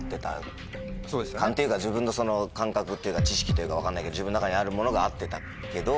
勘っていうか自分の感覚っていうか知識というか分かんないけど自分の中にあるものが合ってたけど。